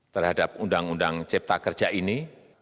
terhadap undang undang cipta kerja ini